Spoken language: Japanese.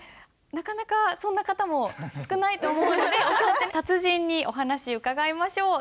なかなかそんな方も少ないと思うので達人にお話伺いましょう。